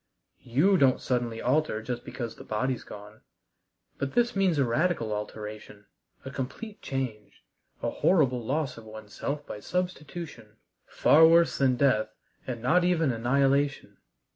You don't suddenly alter just because the body's gone. But this means a radical alteration, a complete change, a horrible loss of oneself by substitution far worse than death, and not even annihilation.